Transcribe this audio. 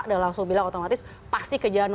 dan langsung bilang otomatis pasti kejar satu